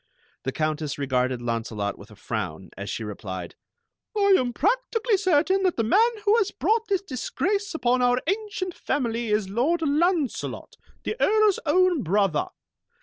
The Countess regarded Launcelot with a frown, as she replied: "I am practically certain that the man who has brought this disgrace upon our ancient family is Lord Launcelot, the Earl's own brother.